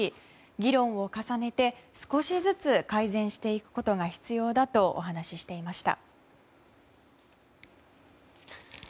議論を重ねて少しずつ改善していくことが必要だとお話していました。